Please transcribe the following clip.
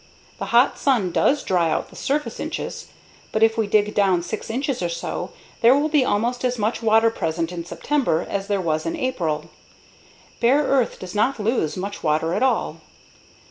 The hot sun does dry out the surface inches, but if we dig down 6 inches or so there will be almost as much water present in September as there was in April. Bare earth does not lose much water at all.